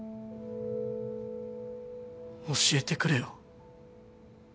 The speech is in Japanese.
教えてくれよ。